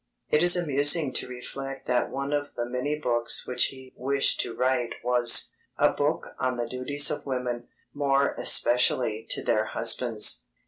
It is amusing to reflect that one of the many books which he wished to write was "a book on the duties of women, more especially to their husbands."